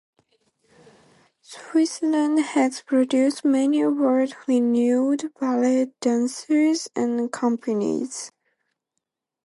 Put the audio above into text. Switzerland has produced many world-renowned ballet dancers and companies.